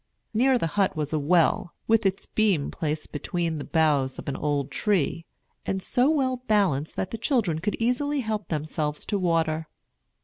Near the hut was a well, with its beam placed between the boughs of an old tree, and so well balanced that the children could easily help themselves to water.